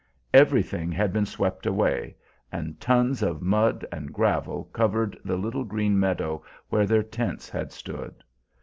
Everything had been swept away, and tons of mud and gravel covered the little green meadow where their tents had stood.